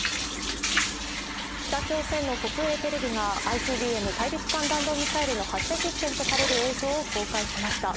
北朝鮮の国営テレビがＩＣＢＭ＝大陸間弾道ミサイルの発射実験とされる映像を公開しました。